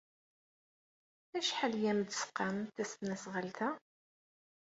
Acḥal ay am-d-tesqam tesnasɣalt-a?